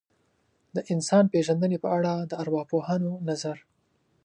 د انسان پېژندنې په اړه د ارواپوهانو نظر.